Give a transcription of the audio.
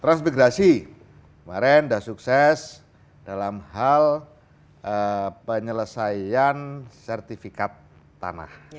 transmigrasi kemarin sudah sukses dalam hal penyelesaian sertifikat tanah